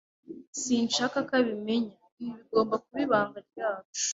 Sinshaka ko abimenya. Ibi bigomba kuba ibanga ryacu.